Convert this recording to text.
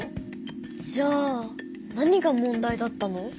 じゃあ何が問題だったの？